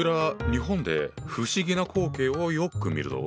日本で不思議な光景をよく見るぞ。